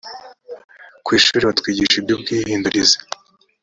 ku ishuri batwigishaga iby’ubwihindurize